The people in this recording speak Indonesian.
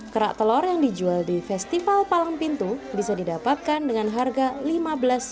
kerak telur yang dijual di festival palang pintu bisa didapatkan dengan harga lima belas ribu rupiah saja